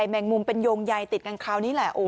แมงมุมเป็นโยงใยติดกันคราวนี้แหละ